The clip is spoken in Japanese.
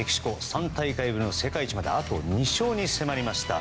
３大会ぶりの世界一まであと２勝に迫りました。